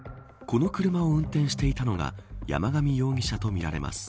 この車を運転していたのが山上容疑者とみられます。